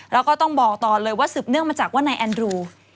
แล้วก็ต้องบอกต่อเลยว่าสืบเนื่องมาจากว่านายแอนดรู